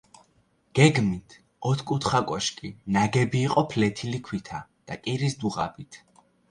გეგმით ოთხკუთხა კოშკი ნაგები იყო ფლეთილი ქვითა და კირის დუღაბით.